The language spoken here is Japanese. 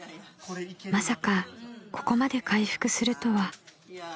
［まさかここまで回復するとは］